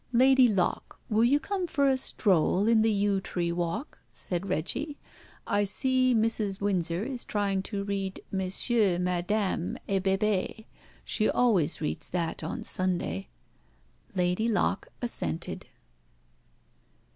"Lady Locke, will you come for a stroll in the yew tree walk?" said Reggie. "I see Mrs. Windsor is trying to read 'Monsieur, Madame, et Bébé!' She always reads that on Sunday!" Lady Locke assented.